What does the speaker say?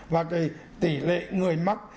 và cái tỷ lệ người mắc